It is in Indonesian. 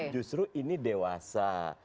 justru ini dewasa